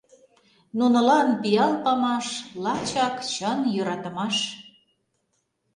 Нунылан пиал памаш — лачак чын йӧратымаш.